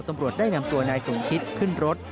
ตำรวจได้นำตัวนายสมคิตขึ้นรถ